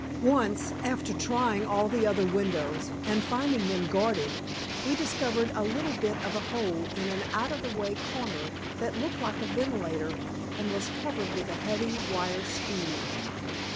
Once, after trying all the other windows and finding them guarded, we discovered a little bit of a hole in an out of the way corner that looked like a ventilator and was covered with a heavy wire screen.